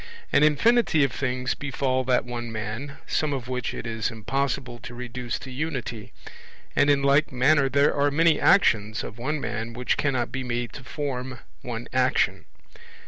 An infinity of things befall that one man, some of which it is impossible to reduce to unity; and in like manner there are many actions of one man which cannot be made to form one action.